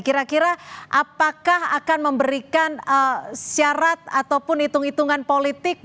kira kira apakah akan memberikan syarat ataupun hitung hitungan politik